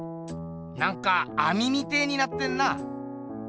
なんかあみみてえになってんな。